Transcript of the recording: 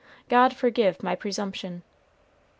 God forgive my presumption."